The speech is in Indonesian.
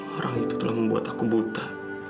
orang itu telah membuat aku buta